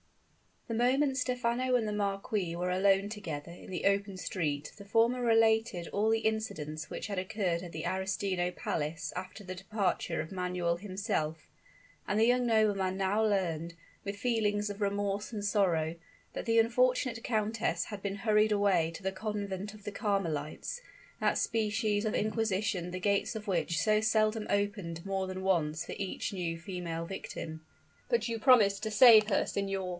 The moment Stephano and the marquis were alone together in the open street the former related all the incidents which had occurred at the Arestino Palace after the departure of Manuel himself; and the young nobleman now learned, with feelings of remorse and sorrow, that the unfortunate countess had been hurried away to the convent of the Carmelites that species of inquisition the gates of which so seldom opened more than once for each new female victim. "But you promised to save her, signor!"